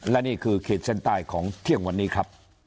และนี่คือขีดเส้นใต้ของเที่ยงวันนี้ครับ